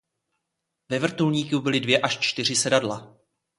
Ve vrtulníku byly dvě až čtyři sedadla.